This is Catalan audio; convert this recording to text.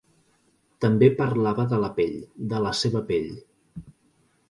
També parlava de la pell, de la seva pell.